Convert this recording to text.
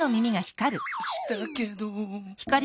したけど。